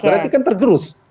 berarti kan tergerus